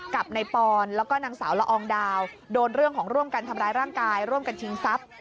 กับนายปอนแล้วก็นางสาวละอองดาวโดนเรื่องของร่วมกันทำร้ายร่างกายร่วมกันชิงทรัพย์